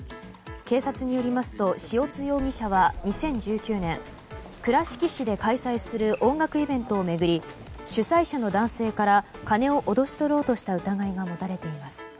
警察によりますと塩津容疑者は２０１９年倉敷市で開催する音楽イベントを巡り主催者の男性から金を脅し取ろうとした疑いが持たれています。